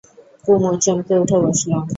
কুমু চমকে উঠে বসল।